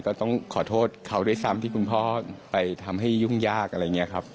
ก็ต้องขอโทษเขาด้วยซ้ำที่คุณพ่อไปทำให้ยุ่งยากอะไรอย่างนี้ครับ